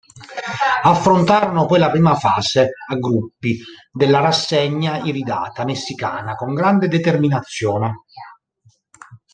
Affrontarono poi la prima fase a gruppi della rassegna iridata messicana con grande determinazione.